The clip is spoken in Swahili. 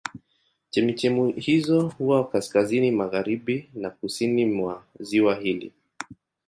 Chemchemi hizo huwa kaskazini magharibi na kusini mwa ziwa hili.